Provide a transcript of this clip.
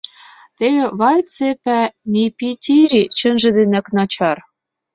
— Теве Вӓйтсепӓӓ Нипитири чынже денак начар.